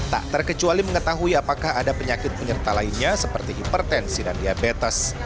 tak terkecuali mengetahui apakah ada penyakit penyerta lainnya seperti hipertensi dan diabetes